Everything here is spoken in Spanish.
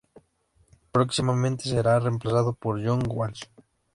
Próximamente será reemplazado por John Walsh.